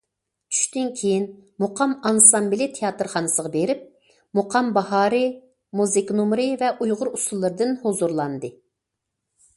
چۈشتىن كېيىن، مۇقام ئانسامبىلى تىياتىرخانىسىغا بېرىپ،« مۇقام باھارى» مۇزىكا نومۇرى ۋە ئۇيغۇر ئۇسسۇللىرىدىن ھۇزۇرلاندى.